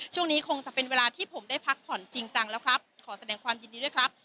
ช่วงนี้คงจะเป็นเวลาที่ผมได้พักผ่อนจริงจังแล้วครับขอแสดงความยินดีด้วยครับ